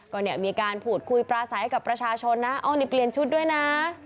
ก็เนี่ยมีการพูดคุยปราศัยกับประชาชนนะอ้อนี่เปลี่ยนชุดด้วยนะ